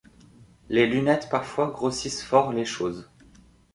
Les lunettes parfois grossissent fort les choses.